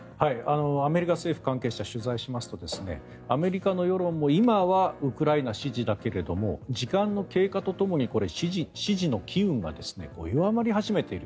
アメリカ政府関係者を取材しますとアメリカの世論も今はウクライナ支持だけれども時間の経過とともに支持の機運が弱まり始めている。